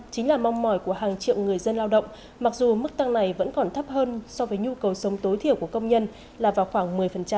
chính là mong mỏi của hàng triệu người dân lao động mặc dù mức tăng này vẫn còn thấp hơn so với nhu cầu sống tối thiểu của công nhân là vào khoảng một mươi